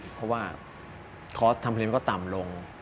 เพราะว่าคอร์สทำเพลงมันก็ต่ำลง